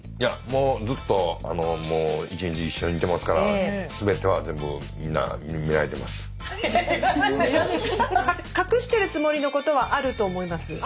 もうずっともう一日一緒にいてますから隠してるつもりのことはあると思います。